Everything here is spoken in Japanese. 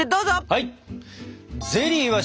はい！